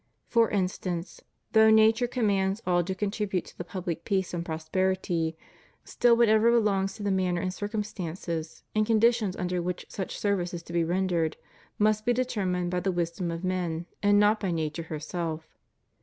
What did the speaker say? For instance, though nature commands all to contribute to the pubhc peace and prosperity, still whatever belongs to the man ner and circumstances, and conditions under which such service is to be rendered must be determined by the wisdom of men and not by Nature herself.